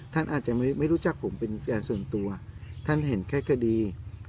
ท่านอาจจะไม่รู้จักผมเป็นแฟนส่วนตัวท่านเห็นแค่คดี